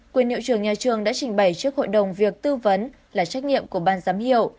quyền hiệu trưởng nhà trường đã trình bày trước hội đồng việc tư vấn là trách nhiệm của ban giám hiệu